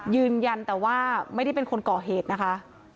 ยืนยันแต่ว่าไม่ได้เป็นคนก่อเหตุนะคะ